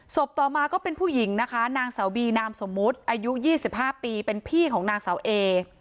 ต่อมาก็เป็นผู้หญิงนะคะนางสาวบีนามสมมุติอายุ๒๕ปีเป็นพี่ของนางเสาเอ